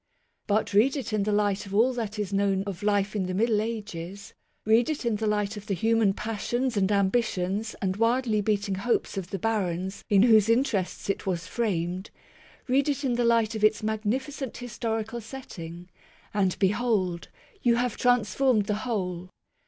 But read it in the light of all that is known of life in the Middle Ages ; read it in the light of the human passions and ambitions and wildly beating hopes of the barons in whose interests it was framed ; read it in the light of its magnificent histori cal setting; and, behold, you have transformed the whole